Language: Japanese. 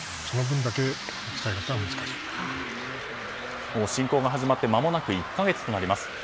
その分だけ使い方は侵攻が始まってまもなく１か月となります。